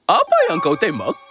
apa yang kau tembak